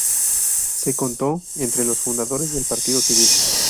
Se contó entre los fundadores del Partido Civil.